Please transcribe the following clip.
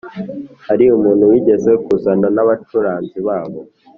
– hari umuntu wigeze kuzana n' abacuranzi babo